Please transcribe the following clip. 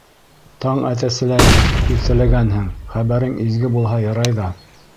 — Таң әтәселәй иртәләгәнһең, хәбәрең изге булһа ярай ҙа.